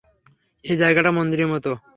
এই জায়গাটা মন্দিরের মতো।